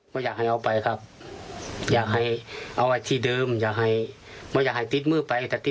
มาไหนด่าเอาไปคืนสิฮะ